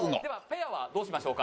ペアはどうしましょうか？